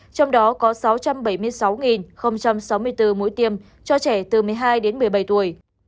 trong đó có sáu trăm bảy mươi sáu sáu mươi bốn mũi tiêm cho trẻ từ một mươi hai đến một mươi bảy tuổi